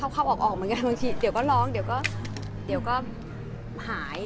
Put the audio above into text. เข้าออกมากันบางทีเดี๋ยวก็ร้องเดี๋ยวก็หาย